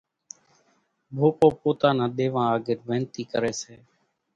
ڀوپو پوتا نان ۮيوان آڳر وينتي ڪري سي